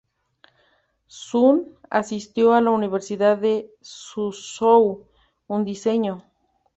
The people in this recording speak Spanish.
Sun asistió a la Universidad de Suzhou, en diseño.